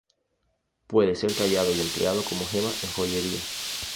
Puede ser tallado y empleado como gema en joyería.